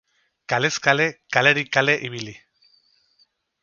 Kalez kale, kalerik kale ibili.